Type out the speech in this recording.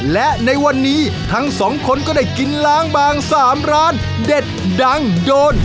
และในวันนี้ทั้งสองคนก็ได้กินล้างบาง๓ร้านเด็ดดังโดน